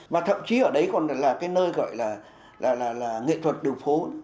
mà thậm chí ở đấy còn là cái nơi gọi là nghệ thuật đường phố